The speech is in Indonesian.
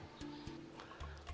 karena rumah ini sendiri